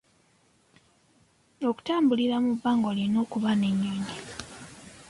Okutambulira mu bbanga olina okuba n'ennyonyi.